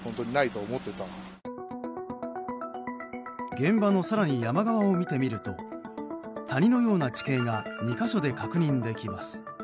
現場の更に山側を見てみると谷のような地形が２か所で確認できます。